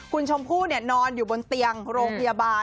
คุณชมพู่นอนอยู่บนเตียงโรงพยาบาล